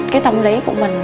cái tâm lý của mình